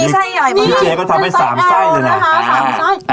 พี่เจ๊ก็ทำให้๓ไส้เลยนะ